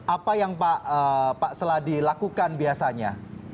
apa yang pak seladi lakukan biasanya